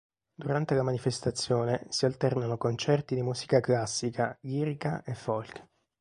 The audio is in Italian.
Durante la manifestazione si alternano concerti di musica classica, lirica e folk.